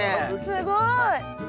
すごい。